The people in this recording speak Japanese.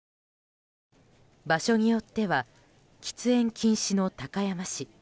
場所によっては喫煙禁止の高山市。